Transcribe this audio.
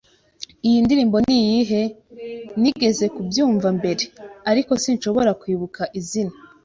Iyi ndirimbo niyihe? Nigeze kubyumva mbere, ariko sinshobora kwibuka izina.